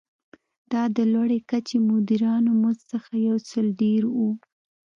دا د لوړې کچې مدیرانو مزد څخه یو څه ډېر و.